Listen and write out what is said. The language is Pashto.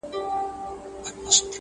لا تر څو به دي قسمت په غشیو ولي!!